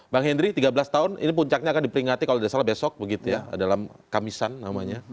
bang hendry tiga belas tahun ini puncaknya akan diperingati kalau tidak salah besok begitu ya dalam kamisan namanya